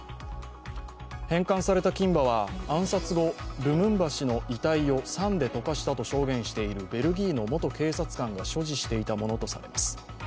返還された金歯は暗殺後、ルムンバ氏の遺体を酸で溶かしたと証言しているベルギーの元警察官が所持していたものとされています。